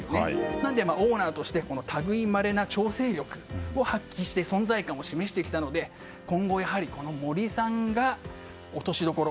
なので、オーナーとして類いまれな調整力を発揮して存在感を示してきたので今後、森さんが落としどころ